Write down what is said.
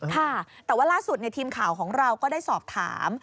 ค่ะแต่ว่าล่าสุดทีมข่าวของเราก็ได้สอบถาม